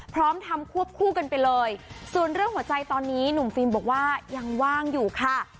พร้อมทำควบคู่กันไปเลยส่วนเรื่องหัวใจตอนนี้หนุ่มฟิล์มบอกว่ายังว่างอยู่ค่ะ